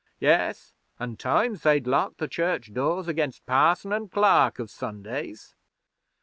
Yes, an' times they'd lock the church doors against parson an' clerk of Sundays.'